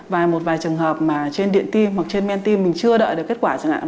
và một vài trường hợp mà trên điện tim hoặc trên men tim mình chưa đợi được kết quả chẳng hạn